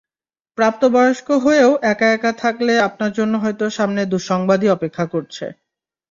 প্রাপ্তবয়স্ক হয়েও একা একা থাকলে আপনার জন্য হয়তো সামনে দুঃসংবাদই অপেক্ষা করছে।